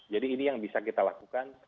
jadi ini yang bisa kita lakukan